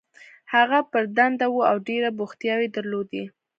هغه پر دنده وه او ډېرې بوختیاوې یې درلودې.